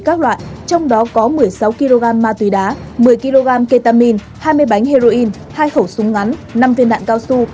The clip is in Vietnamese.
các loại trong đó có một mươi sáu kg ma túy đá một mươi kg ketamine hai mươi bánh heroin hai khẩu súng ngắn năm viên đạn cao su